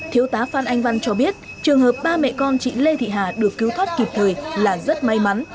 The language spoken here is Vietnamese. thiếu tá phan anh văn cho biết trường hợp ba mẹ con chị lê thị hà được cứu thoát kịp thời là rất may mắn